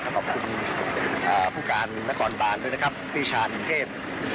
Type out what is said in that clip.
ขอบคุณผู้การนครบานด้วยนะครับพี่ชานินเทพ